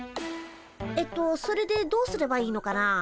えっとそれでどうすればいいのかな？